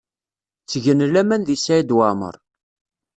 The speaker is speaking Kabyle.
Ttgen laman deg Saɛid Waɛmaṛ.